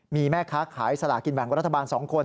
มีแม่ค้าขายสลากินแบ่งรัฐบาล๒คน